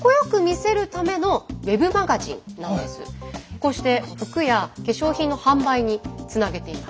こうして服や化粧品の販売につなげています。